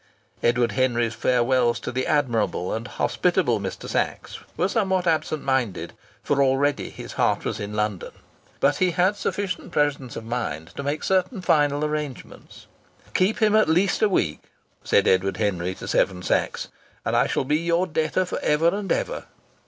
Edward Henry's farewells to the admirable and hospitable Mr. Sachs were somewhat absent minded, for already his heart was in London. But he had sufficient presence of mind to make certain final arrangements. "Keep him at least a week," said Edward Henry to Seven Sachs, "and I shall be your debtor for ever and ever."